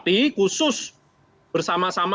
nah tetapi khusus bersama sama